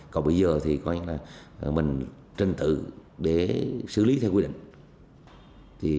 còn bây giờ thì coi là mình trình tự để xử lý theo quy định